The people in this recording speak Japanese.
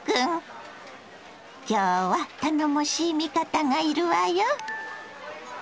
今日は頼もしい味方がいるわよ。